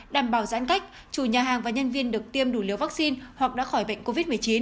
đảm bảo giãn cách chủ nhà hàng và nhân viên được tiêm đủ liều vaccine hoặc đã khỏi bệnh covid một mươi chín